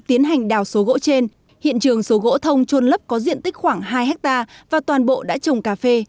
tiến hành đào số gỗ trên hiện trường số gỗ thông trôn lấp có diện tích khoảng hai hectare và toàn bộ đã trồng cà phê